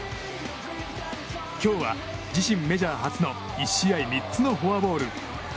今日は自身メジャー初の１試合３つのフォアボール。